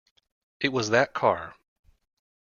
It was that car.